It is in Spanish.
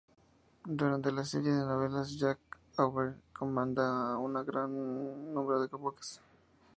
Durante la serie de novelas, Jack Aubrey comanda un gran número de buques.